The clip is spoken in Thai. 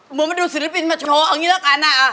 เฮ้ยมึงมาดูศิลปินมาโชว์อย่างนี้แหละกันนะ